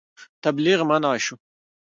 تبلیغ منع شو.